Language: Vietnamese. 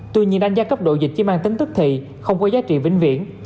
tuy nhiên đánh giá cấp độ dịch chỉ mang tính tức thị không có giá trị vĩnh viễn